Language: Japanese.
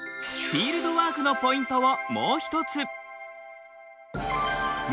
フィールドワークのポイントをもう一つ。